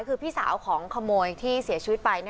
คือพี่สาวของขโมยที่เสียชีวิตไป